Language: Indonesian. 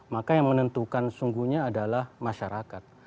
maka yang menentukan sungguhnya adalah masyarakat